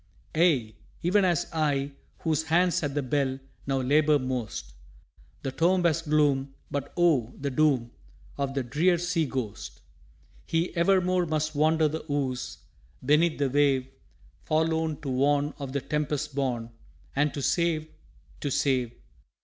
Aye, even as I, whose hands at the bell Now labour most. The tomb has gloom, but Oh, the doom Of the drear sea ghost! He evermore must wander the ooze Beneath the wave, Forlorn to warn of the tempest born, And to save to save!